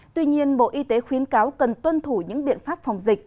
tuy nhiên bộ y tế khuyến cáo cần tuân thủ những biện pháp phòng dịch